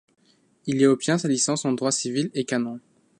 Il y obtient sa licence en droit civil et canon.